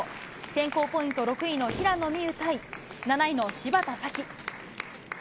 選考ポイント６位の平野美宇対７位の芝田沙季。